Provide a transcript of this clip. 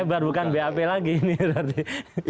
bukan bap lagi ini